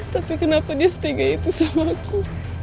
tapi kenapa dia setinggi itu sama aku